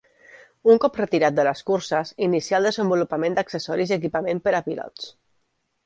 Un cop retirat de les curses, inicià el desenvolupament d'accessoris i equipament per a pilots.